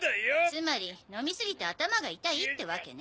つまり飲み過ぎて頭が痛いってわけね。